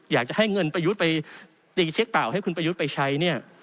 อยากจะให้เงินประยุทธ์ไปตีเช็คเปล่าให้คุณประยุทธ์ไปใช้เนี่ย